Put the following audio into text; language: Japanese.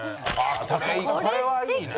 これはいいね。